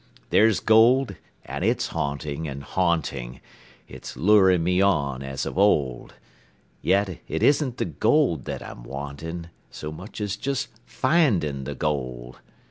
There's gold, and it's haunting and haunting; It's luring me on as of old; Yet it isn't the gold that I'm wanting So much as just finding the gold.